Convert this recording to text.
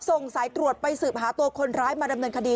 ส่งสายตรวจไปสืบหาตัวคนร้ายมาดำเนินคดี